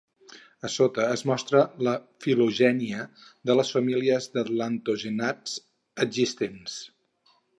A sota es mostra la filogènia de les famílies d'atlantogenats existents.